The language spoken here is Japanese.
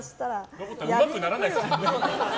ロボットはうまくならないですからね。